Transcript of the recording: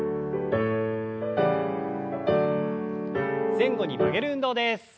前後に曲げる運動です。